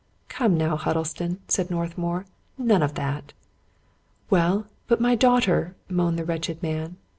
" Come now, Huddlestone," said Northmour, " none of that." " Well, but my daughter," moaned the wretched man.